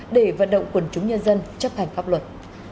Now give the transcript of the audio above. để vận động quần chúng nhân dân chấp hành pháp luật